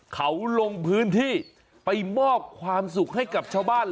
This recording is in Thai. เขาลงพื้นที่ไปมอบความสุขให้กับชาวบ้าน